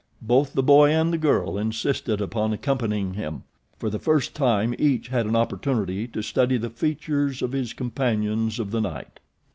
Both the boy and the girl insisted upon accompanying him. For the first time each had an opportunity to study the features of his companions of the night.